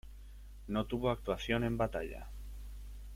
No tuvo actuación en batalla.